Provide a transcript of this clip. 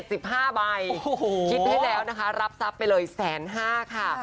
โอ้โหคิดให้แล้วนะคะรับทรัพย์ไปเลย๑๕๐๐๐๐ค่ะ